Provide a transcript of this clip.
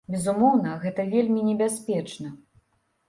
Безумоўна, гэта вельмі небяспечна.